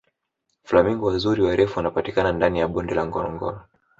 flamingo wazuri warefu wanapatikana ndani ya bonde la ngorongoro